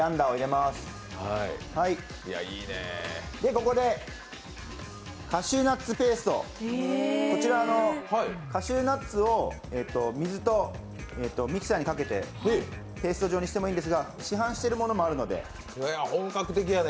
ここでカシューナッツペーストですが、カシューナッツを水をミキサーにかけてペースト状にしてもいいんですが市販のものもあるので。